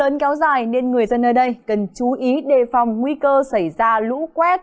mưa lớn kéo dài nên người dân ở đây cần chú ý đề phòng nguy cơ xảy ra lũ quét